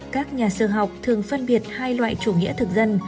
các nhà sư học thường phân biệt hai loại chủ nghĩa thực dân